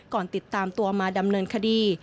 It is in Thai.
ติดตามตัวมาดำเนินคดี